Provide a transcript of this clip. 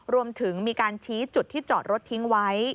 รวมถึงมีการชี้จุดที่จอดรถทิ้งไว้